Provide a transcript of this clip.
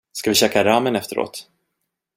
Ska vi käka ramen efteråt?